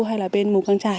hay là bên mù căng trải